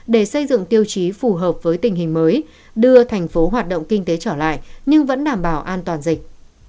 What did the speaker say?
để xây dựng tiêu chí phù hợp với tình hình mới đưa thành phố hoạt động kinh tế trở lại nhưng vẫn đảm bảo an toàn dịch